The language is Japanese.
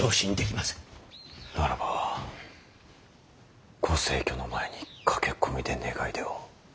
ならばご逝去の前に駆け込みで願い出を。